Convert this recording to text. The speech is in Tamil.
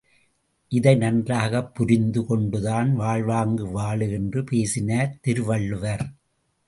இதை நன்றாகப் புரிந்து கொண்டுதான் வாழ்வாங்கு வாழு என்று பேசினார் திருவள்ளுவர்.